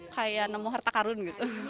kayak nemu harta karun gitu